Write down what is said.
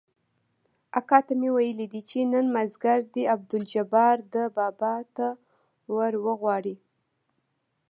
اکا ته مې ويلي دي چې نن مازديګر دې عبدالجبار ده بابا ته وروغواړي.